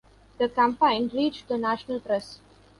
The campaign reached the national press.